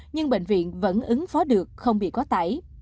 nhưng bệnh viện vẫn ứng phó được không bị quá tải